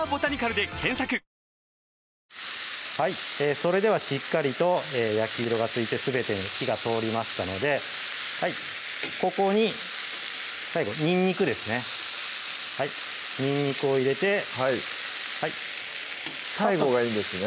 それではしっかりと焼き色がついてすべてに火が通りましたのでここに最後にんにくですねにんにくを入れてはい最後がいいんですね